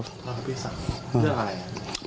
ทะเลาะกับพี่สาวเรื่องอะไร